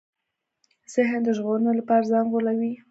ذهن د ژغورنې لپاره ځان غولوي.